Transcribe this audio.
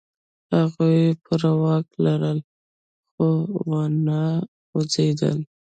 هغوی پوره واک لرلو، خو و نه خوځېدل.